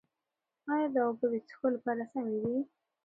ایا دا اوبه د څښلو لپاره سمې دي؟